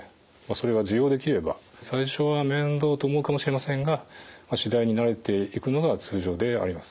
それが受容できれば最初は面倒と思うかもしれませんが次第に慣れていくのが通常であります。